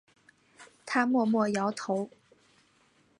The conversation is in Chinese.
他默默摇头